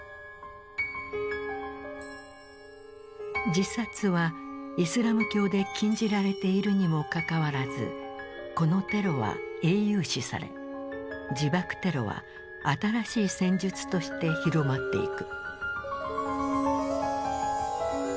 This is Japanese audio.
自殺はイスラム教で禁じられているにもかかわらずこのテロは英雄視され「自爆テロ」は新しい戦術として広まっていく。